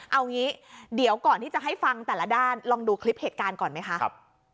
เอางี้เดี๋ยวก่อนที่จะให้ฟังแต่ละด้านลองดูคลิปเหตุการณ์ก่อนไหมคะ